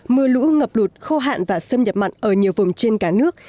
mưa lũ ngập lụt khô hạn và xâm nhập mặn ở nhiều vùng trên cả nước